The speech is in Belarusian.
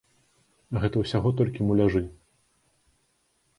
Гэта ўсяго толькі муляжы.